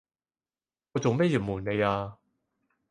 我做咩要暪你呀？